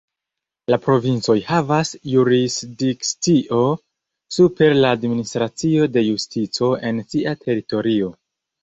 La provincoj havas jurisdikcion super la Administracio de Justico en sia teritorio.